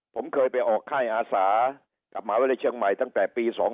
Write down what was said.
ผมเคยไปออกค่ายอาสากับมหาวิทยาลัยเชียงใหม่ตั้งแต่ปี๒๕๖